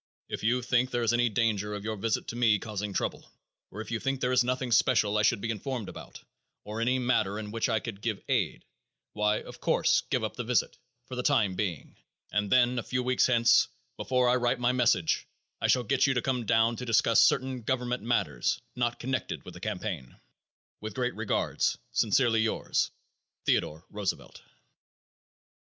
"If you think there is any danger of your visit to me causing trouble, or if you think there is nothing special I should be informed about, or any matter in which I could give aid, why, of course, give up the visit for the time being, and then, a few weeks hence, before I write my message, I shall get you to come down to discuss certain government matters not connected with the campaign. With great regards, sincerely yours, (Signed) "THEODORE ROOSEVELT."